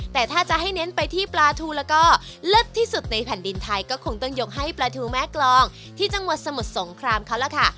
แต่ถ้าจะให้เน้นไปที่ปลาทูแล้วก็เลิศที่สุดในแผ่นดินไทยก็คงต้องยกให้ปลาทูแม่กรองที่จังหวัดสมุทรสงครามเขาล่ะค่ะ